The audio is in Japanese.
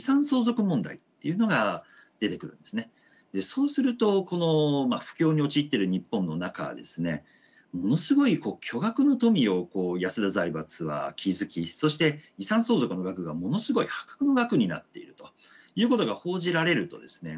そうするとこの不況に陥ってる日本の中でですねものすごい巨額の富をこう安田財閥は築きそして遺産相続の額がものすごい破格の額になっているということが報じられるとですね